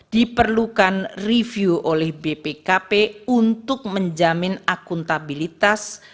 diperlukan review oleh bpkp untuk menjamin akuntabilitas